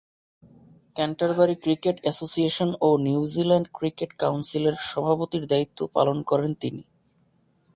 Canterbury cricket association ও New Zealand cricket কাউন্সিলের সভাপতির দায়িত্ব পালন করেন তিনি।